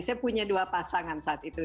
saya punya dua pasangan saat itu